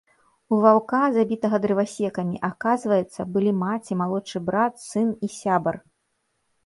У ваўка, забітага дрывасекамі, аказваецца, былі маці, малодшы брат, сын і сябар.